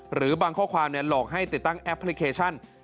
หรือบางข้อความหลอกให้ติดตั้งแอปพลิเคชัน